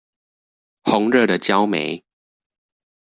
紅熱的焦煤